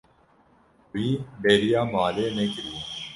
Wî bêriya malê nekiriye.